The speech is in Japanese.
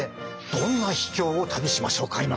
どんな秘境を旅しましょうか今から！